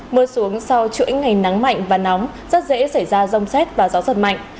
mưa xuống sau chuỗi ngày nắng mạnh và nóng rất dễ xảy ra rông xét và gió giật mạnh